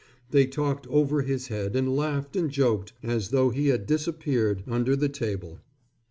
They talked over his head and laughed and joked as though he had disappeared under the table.